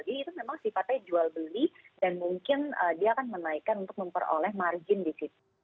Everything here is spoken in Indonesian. jadi itu memang sifatnya jual beli dan mungkin dia akan menaikkan untuk memperoleh margin di situ